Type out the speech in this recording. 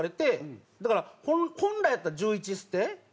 だから本来やったら１１ステ。